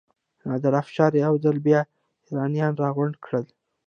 نادر افشار یو ځل بیا ایرانیان راغونډ کړل.